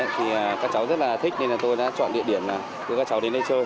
thì các cháu rất là thích nên là tôi đã chọn địa điểm là đưa các cháu đến đây chơi